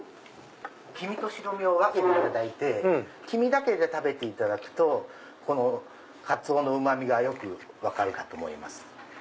黄身と白身を分けていただいて黄身だけで食べていただくとこのカツオのうまみがよく分かるかと思います。